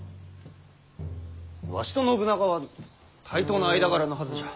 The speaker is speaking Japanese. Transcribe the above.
わしと信長は対等な間柄のはずじゃ。